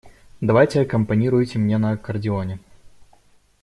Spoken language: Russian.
Давайте аккомпанируйте мне на аккордеоне.